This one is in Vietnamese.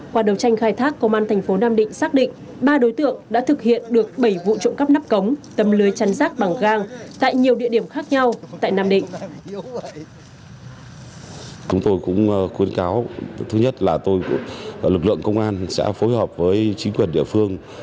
qua đấu tranh khai thác công an thành phố nam định xác định ba đối tượng đã thực hiện được bảy vụ trộm cắp nắp cống tâm lưới chăn rác bằng gang tại nhiều địa điểm khác nhau tại nam định